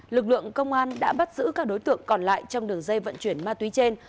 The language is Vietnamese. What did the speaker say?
lực lượng công an đã bắt giữ các đối tượng còn lại trong đường dây vận chuyển ma túy trên